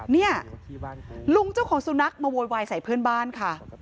เนี่ยลุงเจ้าของสุนัขมาโวยวายใส่เพื่อนบ้านค่ะ